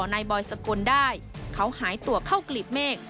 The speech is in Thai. นายบอยสกลได้เขาหายตัวเข้ากลีบเมฆ